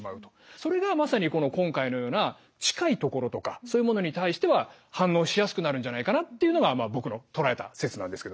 それがまさに今回のような近いところとかそういうものに対しては反応しやすくなるんじゃないかなっていうのが僕の唱えた説なんですけど。